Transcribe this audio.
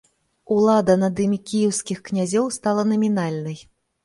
Улада над імі кіеўскіх князёў стала намінальнай.